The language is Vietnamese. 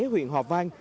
huyện hòa vang